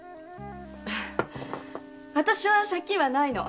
あたしは借金はないの。